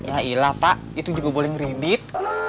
yailah pak itu juga boleh ngeredit